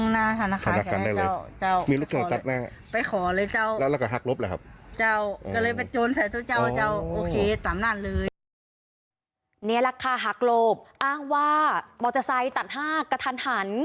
นี่แหละค่ะหักหลบอ้างว่ามอเตอร์ไซค์ตัด๕กระทันหัน